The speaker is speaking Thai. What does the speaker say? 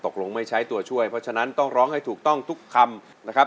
ตกลงไม่ใช้ตัวช่วยเพราะฉะนั้นต้องร้องให้ถูกต้องทุกคำนะครับ